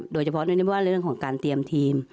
โดยเฉพาะเรื่องของการเตรียมทีม